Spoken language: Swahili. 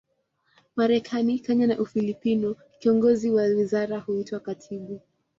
Marekani, Kenya na Ufilipino, kiongozi wa wizara huitwa katibu.